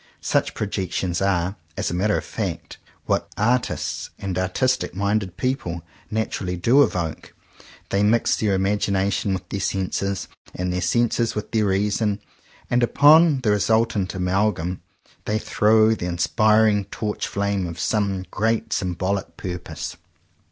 Such projections are, as a matter of fact, what artists and artistic minded people naturally do evoke. They mix their imagination with their senses, and their senses with their reason; and upon the resultant amalgam they throw the inspiring torch flame of some great sym bolic purpose.